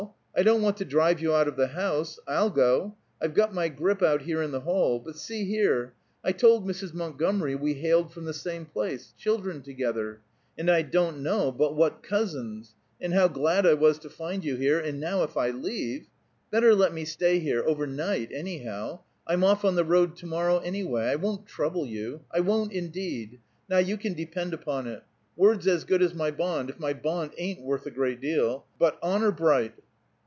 I don't want to drive you out of the house. I'll go. I've got my grip out here in the hall. But see here! I told Mrs. Montgomery we hailed from the same place children together, and I don't know but what cousins and how glad I was to find you here, and now if I leave Better let me stay here, over night, anyhow! I'm off on the road to morrow, anyway. I won't trouble you; I won't, indeed. Now you can depend upon it. Word's as good as my bond, if my bond ain't worth a great deal. But, honor bright!"